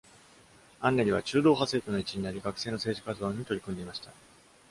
アンネリは中道派政党の一員になり、学生の政治活動に取り組んでいました。